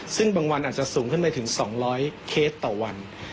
ซึ่งบางวันอาจจะสูงขึ้นไปถึง๒๐๐เคสต่อวัน